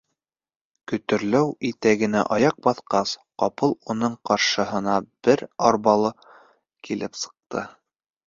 Көтөртау итәгенә аяҡ баҫҡас, ҡапыл уның ҡаршыһына бер арбалы килеп сыҡты.